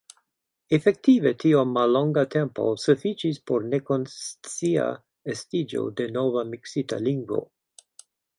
Efektive, tiom mallonga tempo sufiĉis por nekonscia estiĝo de nova miksita lingvo.